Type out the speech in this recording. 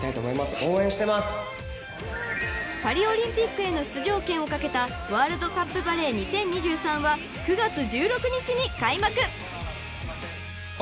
［パリオリンピックへの出場権を懸けたワールドカップバレー２０２３は９月１６日に開幕］